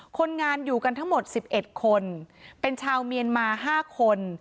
คนงานอยู่กันทั้งหมด๑๑คนเป็นชาวเมียนมา๕คน